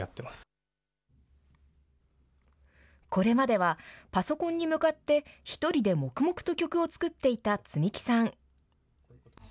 これまでは、パソコンに向かって、１人で黙々と曲を作っていたツミキさん。